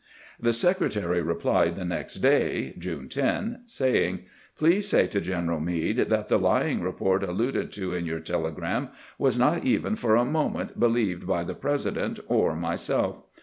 The Secretary replied the next day (June 10), saying: "Please say to General Meade that the lying report alluded to in your telegram was not even for a moment believed by the President or myself.